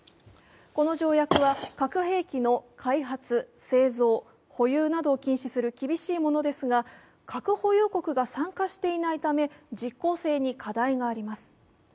この条約は核兵器の開発、製造保有などを禁止する厳しいものですが、核保有国が参加していないため、実効性に課題があります。